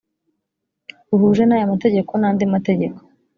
buhuje n aya mategeko n andi mategeko